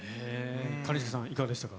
兼近さん、いかがでしたか？